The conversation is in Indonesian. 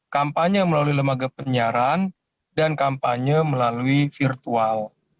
kampanye melalui lembaga penyiaran dan kampanye melalui virtual